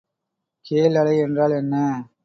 கேள் அலை என்றால் என்ன?